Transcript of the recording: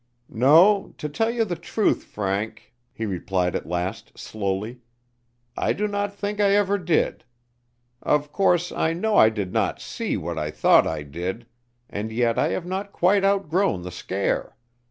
"No, to tell you the truth, Frank," he replied at last, slowly, "I do not think I ever did. Of course, I know I did not see what I thought I did, and yet I have not quite outgrown the scare.